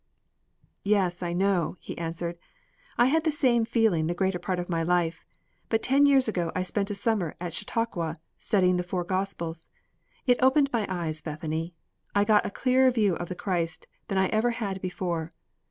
"Yes, I know," he answered. "I had that same feeling the greater part of my life. But ten years ago I spent a summer at Chautauqua, studying the four Gospels. It opened my eyes, Bethany. I got a clearer view of the Christ than I ever had before.